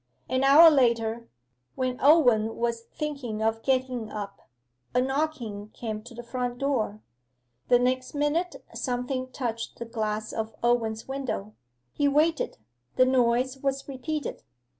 An hour later, when Owen was thinking of getting up, a knocking came to the front door. The next minute something touched the glass of Owen's window. He waited the noise was repeated.